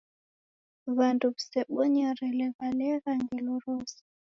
W'andu w'isebonye laghelaghe ngelo rose.